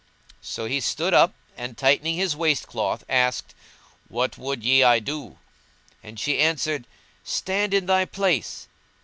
So he stood up and, tightening his waist cloth, asked, "What would ye I do?" and she answered, "Stand in thy place."